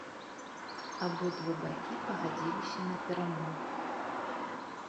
Абодва бакі пагадзіліся на перамовы.